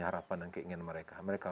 harapan dan keinginan mereka